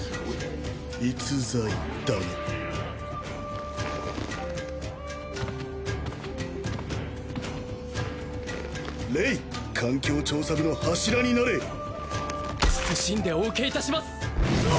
逸材だなレイ環境調査部の柱になれ謹んでお受けいたしますうお！